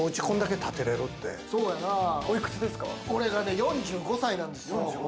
俺が４５歳なんですよ。